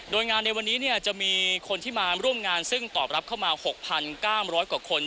โดยงานในวันนี้จะมีคนที่มาร่วมงานซึ่งตอบรับเข้ามา๖๙๐๐กว่าคน